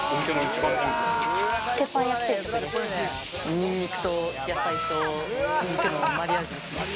ニンニクと野菜と肉のマリアージュ。